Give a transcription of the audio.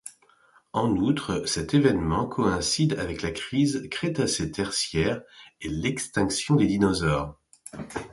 En outre, cet événement coïncide avec la crise Crétacé-Tertiaire et l'extinction des dinosaures.